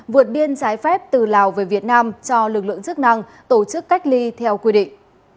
vượt biên trái phép từ lào về việt nam cho lực lượng chức năng tổ chức cách ly theo quy định